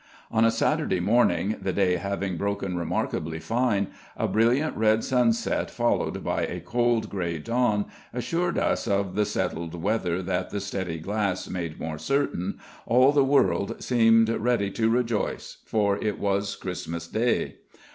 On a Saturday morning, the day having broken remarkably fine, a brilliant red sunset followed by a cold grey dawn, assuring us of the settled weather that the steady "glass" made more certain, all the world seemed ready to rejoice, for it was Christmas Day.